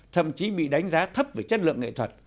thậm chí bị đánh giá thấp về chất lượng nghệ thuật